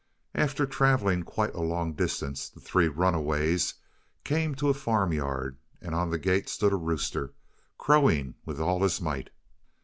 After travelling quite a long distance the three "runaways" came to a farmyard, and on the gate stood a rooster, crowing with all his might.